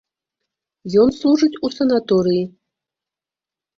Ён служыць у санаторыі.